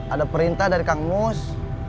ada perintah dari kang mus